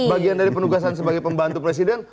bagian dari penugasan sebagai pembantu presiden